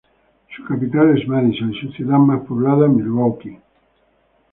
Su capital es Madison y su ciudad más poblada, Milwaukee.